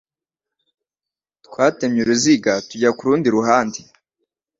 Twatemye uruziga tujya kurundi ruhande